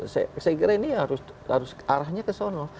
saya kira ini harus arahnya ke sana